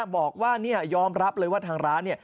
บอกว่ายอมรับเลยว่าทางร้าน